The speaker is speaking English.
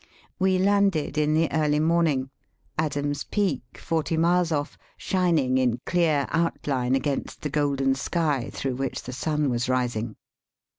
We landed in the early morning, Adam's Peak, forty miles off, shining in clear outhne against the golden sky, through which the sun was rising.